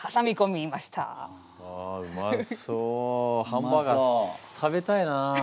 ハンバーガー食べたいな。